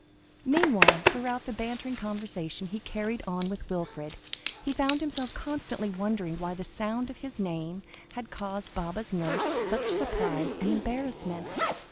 Meanwhile, throughout the bantering conversation he carried on with Wilfred, he found himself constantly wondering why the sound of his name, had caused Baba's nurse such surprise and embarrassment.